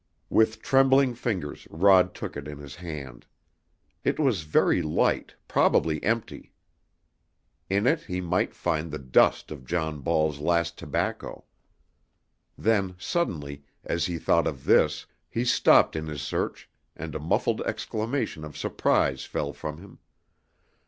With trembling fingers Rod took it in his hand. It was very light, probably empty. In it he might find the dust of John Ball's last tobacco. Then, suddenly, as he thought of this, he stopped in his search and a muffled exclamation of surprise fell from him.